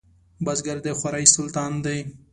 بزګر د خوارۍ سلطان دی